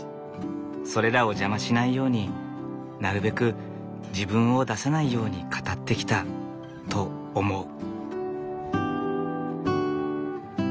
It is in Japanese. それらを邪魔しないようになるべく自分を出さないように語ってきたと思う。